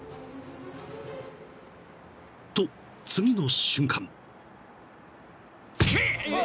［と次の瞬間］